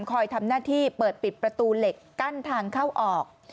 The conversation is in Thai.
ทำหน้าที่เปิดปิดประตูเหล็กกั้นทางเข้าออก